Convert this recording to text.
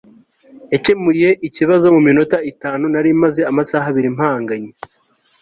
Yakemuye ikibazo muminota itanu nari maze amasaha abiri mpanganye